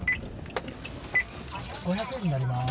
５００円になります。